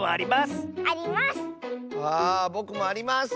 あぼくもあります！